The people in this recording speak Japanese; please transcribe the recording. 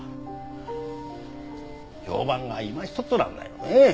評判がいまひとつなんだよね。